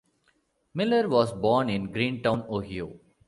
Miller was born in Greentown, Ohio.